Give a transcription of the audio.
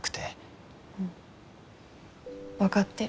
うん分かってる。